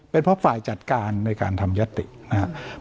เป็นเพราะฝ่ายจัดการในการทำยัตตินะครับ